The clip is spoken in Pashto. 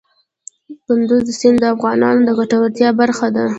کندز سیند د افغانانو د ګټورتیا برخه ده.